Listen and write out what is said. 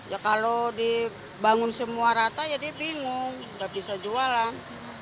ya kalau dibangun semua rata ya dia bingung udah bisa jualan